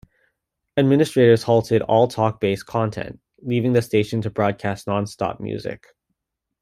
Administrators halted all talk based content, leaving the station to broadcast non-stop music.